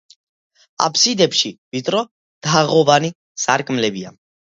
აფსიდებში ვიწრო თაღოვანი სარკმლებია.